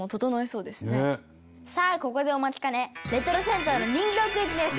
さあここでお待ちかねレトロ銭湯の人情クイズです。